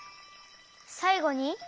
さいごに？